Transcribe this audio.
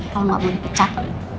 kalau gak mau dipecat